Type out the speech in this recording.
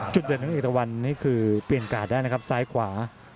จุดเด่นของเอกตะวันนี่คือเปลี่ยนกาดได้นะครับซ้ายขวา